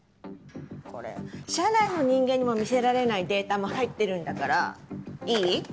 これ社内の人間にも見せられないデータも入ってるんだからいい？